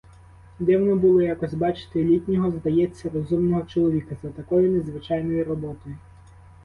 Дивно було якось бачити літнього, здається, розумного чоловіка, за такою незвичайною роботою.